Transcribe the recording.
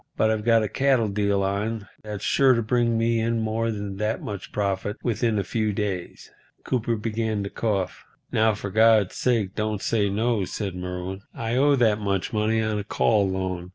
But I've got a cattle deal on that's sure to bring me in more than that much profit within a few days." Cooper began to cough. "Now, for God's sake don't say no," said Merwin. "I owe that much money on a call loan.